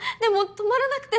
止まらなくて。